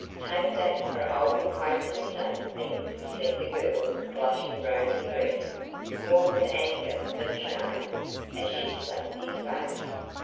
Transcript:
"Take that for old acquaintance sake, then," said the girl, blushing rosy red, more with anger than shame, as she slapped his face.